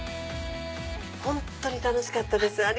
本当に楽しかったです。